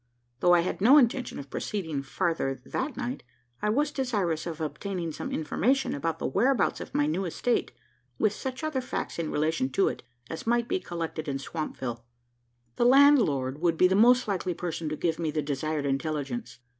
Though I had no intention of proceeding farther that night, I was desirous of obtaining some information, about the whereabout of my new estate, with such other facts in relation to it, as might be collected in Swampville. The landlord would be the most likely person to give me the desired intelligence.